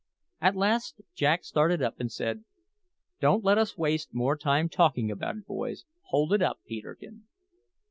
At last Jack started up and said: "Don't let us waste more time talking about it, boys. Hold it up, Peterkin.